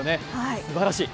すばらしい。